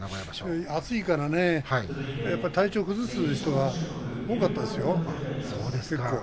暑いからね、やっぱり体調を崩す人が多かったですよ、結構。